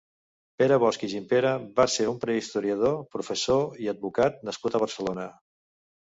Pere Bosch i Gimpera va ser un prehistoriador, professor i advocat nascut a Barcelona.